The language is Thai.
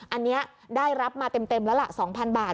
อันนี้ได้รับมาเต็มแล้วล่ะ๒๐๐บาท